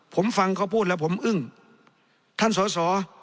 ผมฟังเขาพูดแล้วผมอึ้งท่านสอสอ